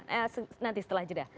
nanti setelah jeda